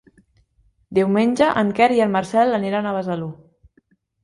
Diumenge en Quer i en Marcel aniran a Besalú.